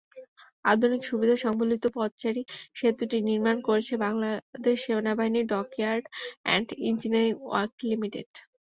আধুনিক সুবিধা-সংবলিত পদচারী-সেতুটি নির্মাণ করেছে বাংলাদেশ নৌবাহিনীর Dockyard and Engineering Work limited.